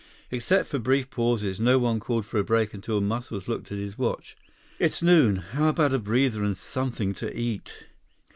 Except for brief pauses, no one called for a break until Muscles looked at his watch. "It's noon. How about a breather and something to eat?"